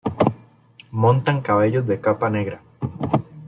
Montan caballos de capa negra.